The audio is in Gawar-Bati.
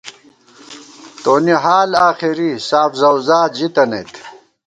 تونی حال آخېری، ساف زوزاد ژِتَنَئیت